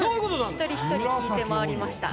一人一人聞いて回りました。